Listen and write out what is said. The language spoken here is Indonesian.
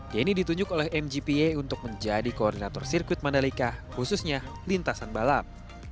yeni ditunjuk oleh mgpa untuk menjadi koordinator sirkuit mandalika khususnya lintasan balap